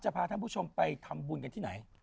พาท่านผู้ชมไปทำบุญกันที่ไหน